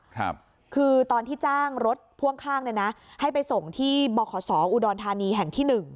คือตอนที่จ้างรถพ่วงข้างเนี่ยนะให้ไปส่งที่บขศอุดรธานีแห่งที่หนึ่ง